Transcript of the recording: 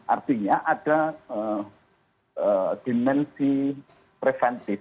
artinya ada dimensi preventif